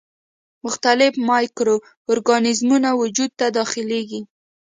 مختلف مایکرو ارګانیزمونه وجود ته داخليږي.